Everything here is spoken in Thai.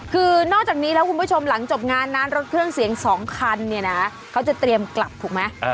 คือนอกจากนี้แล้วคุณผู้ชมหลังจบงานนั้นรถเครื่องเสียง๒คันเนี่ยนะเขาจะเตรียมกลับถูกไหม